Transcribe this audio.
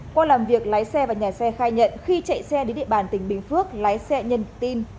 qua làm việc lái xe và nhà xe khai nhận khi chạy xe đến địa bàn tỉnh bình phước lái xe nhân tin